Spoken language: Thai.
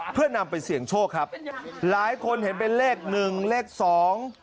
เพื่อนำไปเสี่ยงโชคครับหลายคนเห็นเป็นเลขหนึ่งเลขสอง